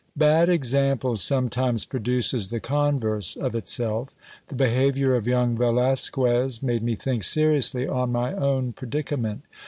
Bad example sometimes produces the converse of itself. The behaviour of young Velasquez made me think seriously on my own predicament.